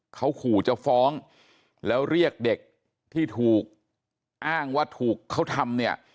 เขาขู่จะฟ้องแล้วเรียกเด็กที่ถูกอ้างว่าถูกเขาทำเนี่ย